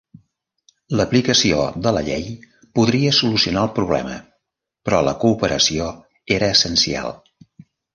L'aplicació de la llei podria solucionar el problema, però la cooperació era essencial.